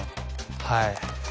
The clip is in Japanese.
はい。